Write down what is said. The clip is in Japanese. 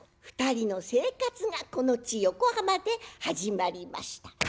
２人の生活がこの地横浜で始まりました。